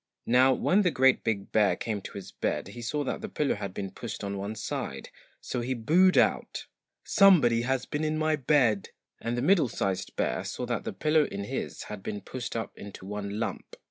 Now when the GREAT BIG BEAR came to his bed he saw that the pillow had been pushed on one side, so he boohed out 'SOMEBODY HAS BEEN IN MY BED!' and the MIDDLE SIZED BEAR saw that the pillow in his had been pushed up into one lump.